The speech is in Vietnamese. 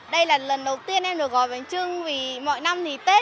đây là lần đầu tiên em được gói bánh trưng vì mọi năm thì tết